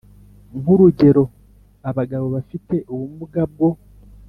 Nk Urugero Abagabo Bafite Ubumuga Bwo